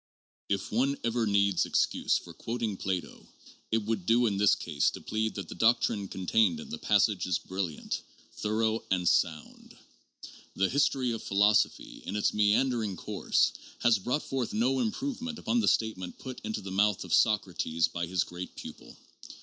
IP one ever needs excuse for quoting Plato, it would do in this case to plead that the doctrine contained in the passage is brilliant, thorough, and sound. The history of philosophy, in its meandering course, has brought forth no improvement upon the statement put into the mouth of Socrates by his great pupil.